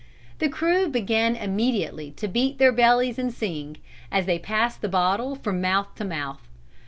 The crew began immediately to beat their bellies and sing, as they passed the bottle from mouth to mouth.